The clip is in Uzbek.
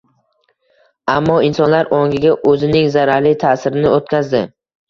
ammo insonlar ongiga o‘zining zararli ta’sirini o‘tkazdi